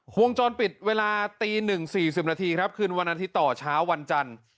ห้องจรปิดเวลาตีหนึ่งสี่สิบนาทีครับคืนวันอาทิตย์ต่อเช้าวันจันทร์